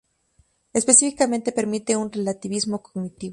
Específicamente, permite un relativismo cognitivo.